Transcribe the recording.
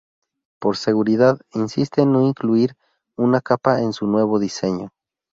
Por seguridad, insiste en no incluir una capa en su nuevo diseño.